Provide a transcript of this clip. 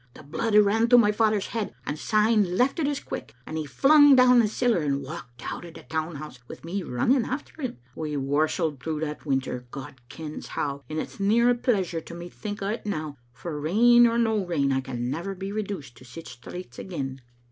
The blood a* ran to my father's head, and syne left it as quick, and he flung down the siller and walked out o' the Town House wi' me running after him. We warstled through that winter, God kens how, and it's near a pleasure to me to think o't now, for, rain or no rain, I can never be reduced to sic straits again.